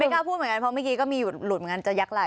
กล้าพูดเหมือนกันเพราะเมื่อกี้ก็มีอยู่หลุดเหมือนกันจะยักษไหล